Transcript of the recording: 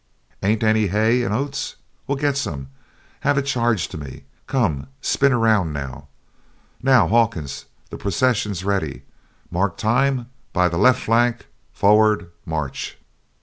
Ain't any hay and oats? Well get some have it charged to me come, spin around, now! Now, Hawkins, the procession's ready; mark time, by the left flank, forward march!"